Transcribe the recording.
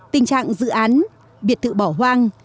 tình trạng dự án biệt tự bỏ hoang